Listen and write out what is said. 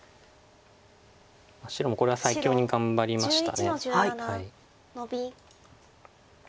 白もこれは最強に頑張りました。